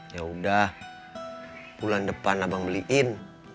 ya udah bulan depan abang beliin